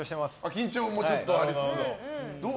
緊張もちょっとありつつ。